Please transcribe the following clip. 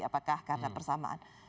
apakah karena persamaan